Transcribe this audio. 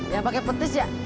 yang pakai petis ya